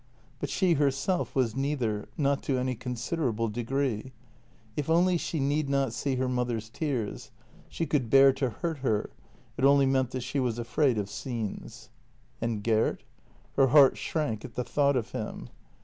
But she herself was neither, not to any considerable degree. If only she need not see her mother's tears; she could bear to hurt her — it only meant that she was afraid of scenes. And Gert? Her heart shrank at the thought of him.